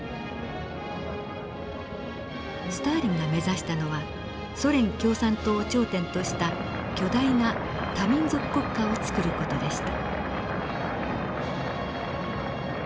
スターリンが目指したのはソ連共産党を頂点とした巨大な多民族国家をつくる事でした。